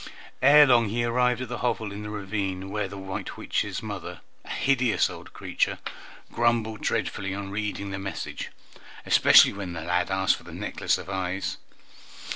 Ere long he arrived at the hovel in the ravine where the white witch's mother, a hideous old creature, grumbled dreadfully on reading the message, especially when the lad asked for the necklace of eyes.